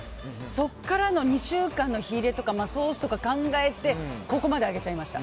そこからの２週間の火入れとかソースとか考えてここまで上げちゃいました。